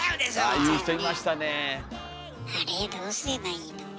あれどうすればいいの？